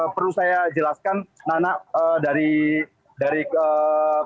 perlu saya jelaskan nana dari pernyataan